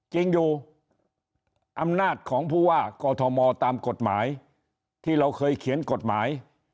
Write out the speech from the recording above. จริงอยู่อำนาจของผู้ว่ากอทมตามกฎหมายที่เราเคยเขียนกฎหมาย